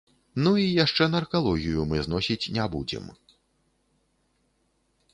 Ну, і яшчэ наркалогію мы зносіць не будзем.